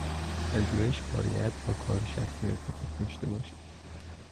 پژوهش باید با کار شخص ارتباط داشته باشد.